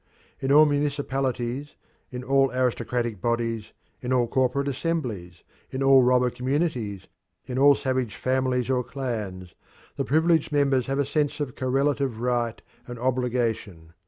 In all municipalities, in all aristocratic bodies, in all corporate assemblies, in all robber communities, in all savage families or clans, the privileged members have a sense of correlative right and obligation.